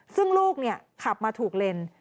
ซึ่งลูกขับมาถูกเลน